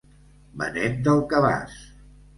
Benet del cabàs.